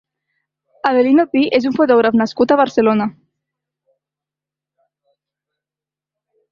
Avelino Pi és un fotògraf nascut a Barcelona.